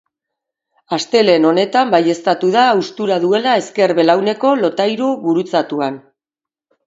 Astelehen honetan baiezatatu da haustura duela ezker belauneko lotailu gurutzatuan.